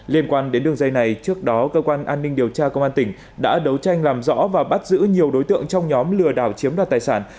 liên quan đến đường dây này trước đó cơ quan an ninh điều tra công an tỉnh đã đấu tranh làm rõ và bắt giữ nhiều đối tượng trong nhóm lừa đảo chiếm đoạt tài sản